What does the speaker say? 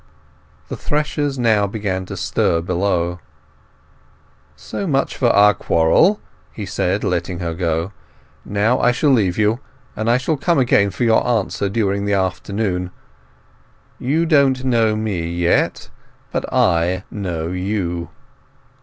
The threshers now began to stir below. "So much for our quarrel," he said, letting her go. "Now I shall leave you, and shall come again for your answer during the afternoon. You don't know me yet! But I know you."